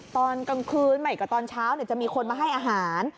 ตอนกลางคืนใหม่กับตอนเช้าจะมีคนมาให้อาหาร